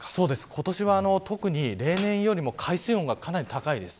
今年は例年よりも海水温が高いです。